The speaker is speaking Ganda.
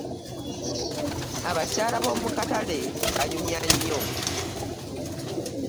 Abakyala bomu katale banyumya nnyo.